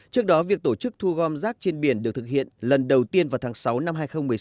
trước đó việc tổ chức thu gom rác trên biển được thực hiện lần đầu tiên vào tháng sáu năm hai nghìn một mươi sáu